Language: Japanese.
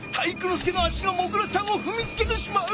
介の足がモグラちゃんをふみつけてしまう！